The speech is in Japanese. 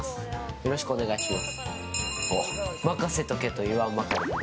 よろしくお願いします。